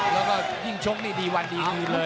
แล้วก็ยิ่งชกนี่ดีวันดีคืนเลย